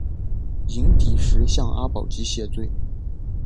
寅底石向阿保机谢罪。